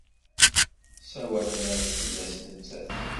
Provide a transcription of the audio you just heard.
Ssawalen akk fell-as nettat.